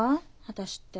私って。